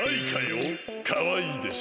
かわいいでしょ？